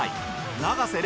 永瀬廉